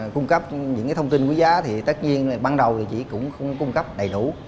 cung cấp những thông tin quý giá thì tất nhiên ban đầu thì chị cũng không cung cấp đầy đủ